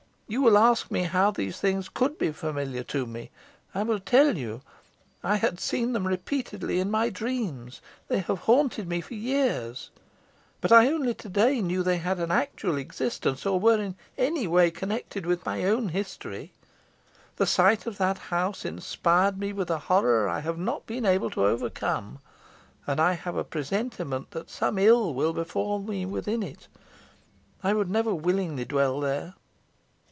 You will ask me how these things could be familiar to me? I will tell you. I had seen them repeatedly in my dreams. They have haunted me for years, but I only to day knew they had an actual existence, or were in any way connected with my own history. The sight of that house inspired me with a horror I have not been able to overcome; and I have a presentiment that some ill will befall me within it. I would never willingly dwell there."